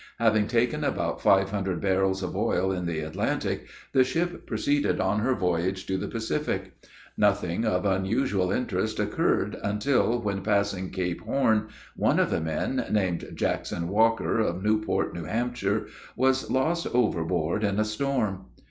Having taken about five hundred barrels of oil in the Atlantic, the ship proceeded on her voyage to the Pacific. Nothing of unusual interest occurred until when passing Cape Horn, one of the men, named Jackson Walker, of Newport, N.H., was lost overboard in a storm.